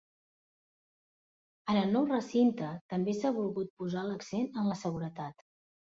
En el nou recinte també s'ha volgut posar l'accent en la seguretat.